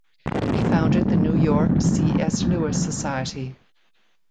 He founded the New York C. S. Lewis society.